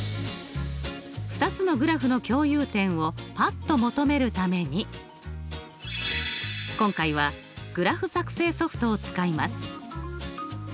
２つのグラフの共有点をパッと求めるために今回はグラフ作成ソフトを使います。